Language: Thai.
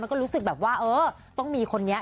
ก็รู้สึกแบบว่าเออต้องมีคนนี้